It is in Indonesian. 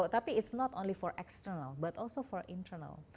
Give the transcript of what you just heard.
tapi ini bukan hanya untuk eksternal tapi juga untuk internal